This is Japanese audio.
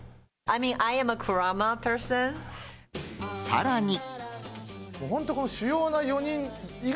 さらに。